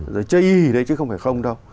rồi chơi ý đấy chứ không phải không đâu